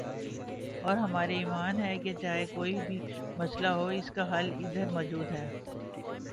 اور ہمارا ایمان ہے کہ چاہے کوئی بھی مسئلہ ہو اسکا حل ادھر موجود ہے